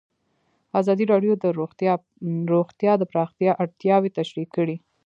ازادي راډیو د روغتیا د پراختیا اړتیاوې تشریح کړي.